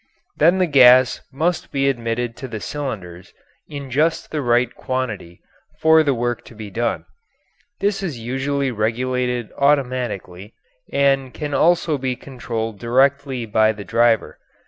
Then the gas must be admitted to the cylinders in just the right quantity for the work to be done. This is usually regulated automatically, and can also be controlled directly by the driver.